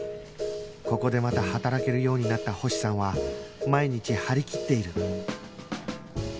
ここでまた働けるようになった星さんは毎日張り切っている